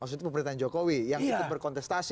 maksudnya itu pemerintahan jokowi yang itu berkontestasi